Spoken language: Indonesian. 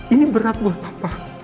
ini berat buat papa